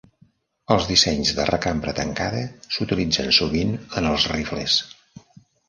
Els dissenys de recambra tancada s'utilitzen sovint en els rifles.